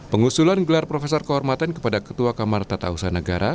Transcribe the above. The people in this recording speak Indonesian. pengusulan gelar profesor kehormatan kepada ketua kamar tata usaha negara